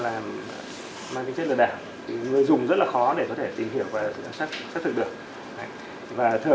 là mang tính chất lợi đảm